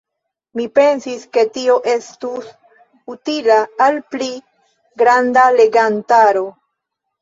Mi pensis, ke tio estus utila al pli granda legantaro.